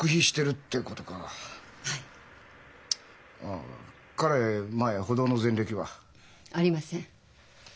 ああ彼前補導の前歴は？ありません。